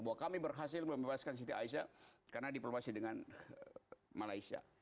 bahwa kami berhasil membebaskan siti aisyah karena diplomasi dengan malaysia